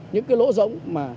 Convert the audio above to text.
những cái lỗ rỗng mà